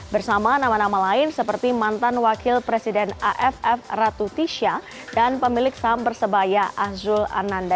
bersama nama nama lain seperti mantan wakil presiden aff ratu tisha dan pemilik saham persebaya azrul ananda